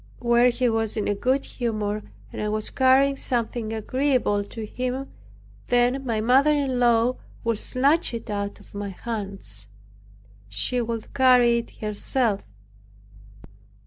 When he was in a good humor and I was carrying something agreeable to him, then my mother in law would snatch it out of my hands. She would carry it herself.